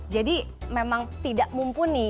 jadi memang tidak mumpuni